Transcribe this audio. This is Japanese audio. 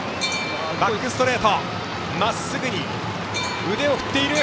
バックストレートまっすぐに腕を振っている。